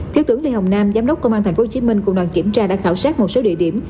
thiếu tướng lê hồng nam giám đốc công an tp hcm cùng đoàn kiểm tra đã khảo sát một số địa điểm